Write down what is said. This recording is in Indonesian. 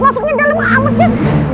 masuknya dalem hametnya